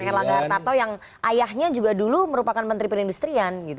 seorang yang lagar tato yang ayahnya juga dulu merupakan menteri perindustrian gitu